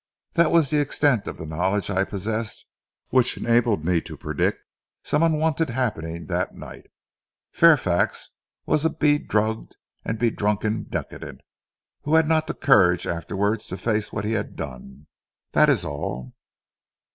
That was the extent of the knowledge I possessed which enabled me to predict some unwonted happening that night. Fairfax was a bedrugged and bedrunken decadent who had not the courage afterwards to face what he had done. That is all."